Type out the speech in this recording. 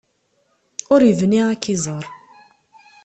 Ur yebni ad k-iẓer.